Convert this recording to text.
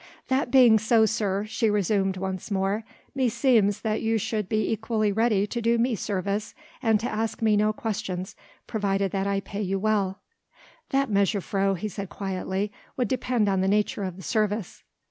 "That being so, sir," she resumed once more, "meseems that you should be equally ready to do me service and to ask me no questions, provided that I pay you well." "That, mejuffrouw," he said quietly, "would depend on the nature of the service."